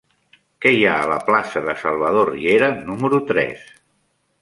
Què hi ha a la plaça de Salvador Riera número tres?